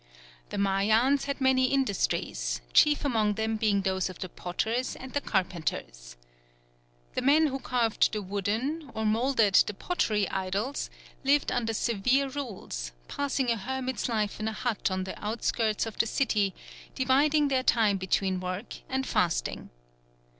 The Mayans had many industries, chief among them being those of the potters and the carpenters. The men who carved the wooden, or moulded the pottery idols, lived under severe rules, passing a hermit's life in a hut on the outskirts of the city, dividing their time between work and fasting.